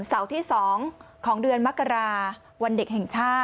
เสาร์ที่๒ของเดือนมกราวันเด็กแห่งชาติ